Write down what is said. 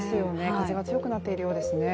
風が強くなっているようですね。